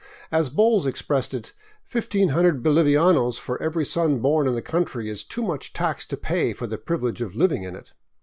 As Bowles expressed it, " Fifteen hundred bolivianos for every son born in the country is too much tax to pay for the privilege of living in it."